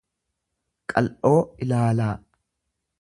qal'oo ilaalaa.